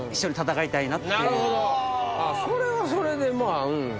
それはそれでうん。